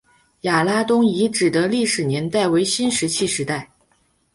亚拉东遗址的历史年代为新石器时代。